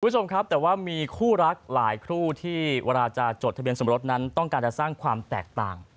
คุณผู้ชมครับแต่ว่ามีคู่รักหลายคู่ที่เวลาจะจดทะเบียนสมรสนั้นต้องการจะสร้างความแตกต่าง